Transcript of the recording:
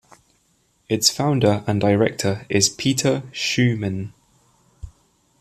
Its founder and director is Peter Schumann.